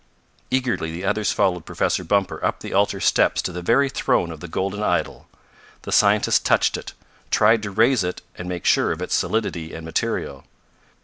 Eagerly the others followed Professor Bumper up the altar steps to the very throne of the golden idol. The scientist touched it, tried to raise it and make sure of its solidity and material.